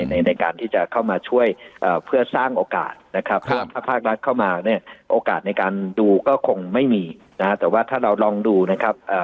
ในการที่จะเข้ามาช่วยเพื่อสร้างโอกาสนะครับเพราะว่าถ้าภาครัฐเข้ามาเนี่ยโอกาสในการดูก็คงไม่มีนะฮะแต่ว่าถ้าเราลองดูนะครับ